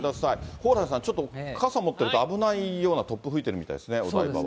蓬莱さん、ちょっと傘持ってると危ないような突風吹いてるみたいですね。お台場は。